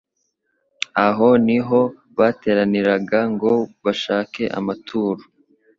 Aho ni ho bateraniraga ngo bashake amaturo.